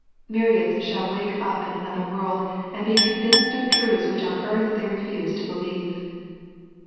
Myriads shall wake up in another world, and be con vinced of truths which on earth they refused to believe.